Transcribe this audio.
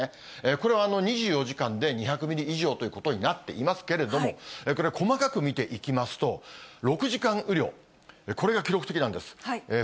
これは２４時間で２００ミリ以上ということになっていますけれども、これは細かく見ていきますと、６時間雨量、これが記録的なんです。